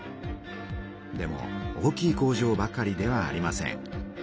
でも大きい工場ばかりではありません。